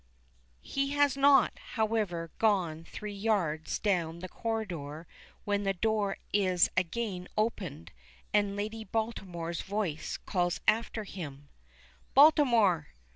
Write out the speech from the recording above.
He has not, however, gone three yards down the corridor when the door is again opened, and Lady Baltimore's voice calls after him: "Baltimore!"